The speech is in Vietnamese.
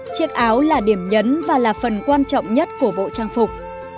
chiếc áo là điểm nhấn và là phần quan trọng nhất của bộ trang phục